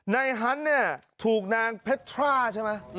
ในฮันต์ถูกนางเพทราใช่ไหม